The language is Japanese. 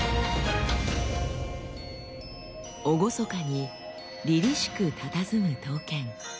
厳かにりりしくたたずむ刀剣。